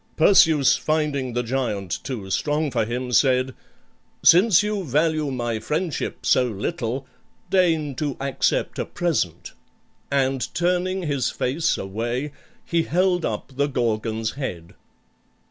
Perseus, finding the giant too strong for him, said, "Since you value my friendship so little, deign to accept a present;" and turning his face away, he held up the Gorgon's head.